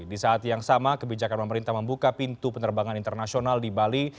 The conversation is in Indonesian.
di saat yang sama kebijakan pemerintah membuka pintu penerbangan internasional di bali